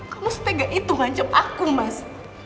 kamu setega itu ngancep aku mas